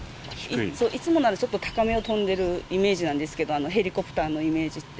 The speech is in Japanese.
いつもなら、ちょっと高めを飛んでるイメージなんですけど、ヘリコプターのイメージって。